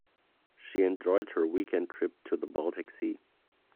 She enjoyed her weekend trip to the Baltic sea.